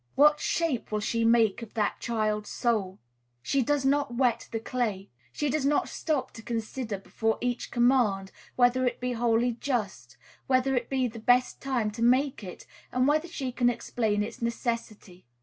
What shape will she make of that child's soul? She does not wet the clay. She does not stop to consider before each command whether it be wholly just, whether it be the best time to make it, and whether she can explain its necessity.